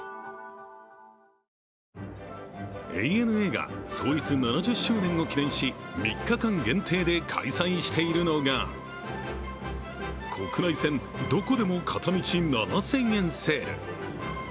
ＡＮＡが創立７０周年を記念し３日間限定で開催しているのが国内線どこでも片道７０００円セール。